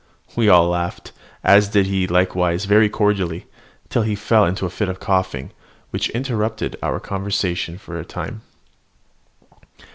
We all laughed, as did he likewise very cordially, till he fell into a fit of coughing, which interrupted our conversation for a time.